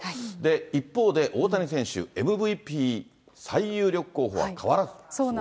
一方で大谷選手、ＭＶＰ最有力候補は変わらず、すごいですね。